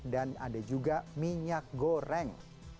dan ada juga minyak goreng